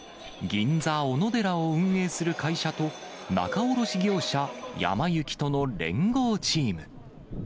銀座おのでらを運営する会社と、仲卸業者、やま幸との連合チーム。